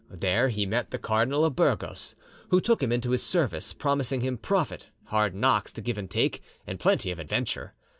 There he met the Cardinal of Burgos, who took him into his service, promising him profit, hard knocks to give and take, and plenty of adventure.